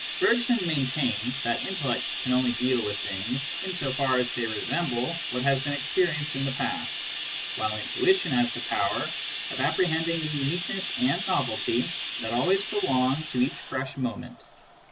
Bergson maintains that intellect can only deal with things in so far as they resemble what has been experienced in the past, while intuition has the power of apprehending the uniqueness and novelty that always belong to each fresh moment.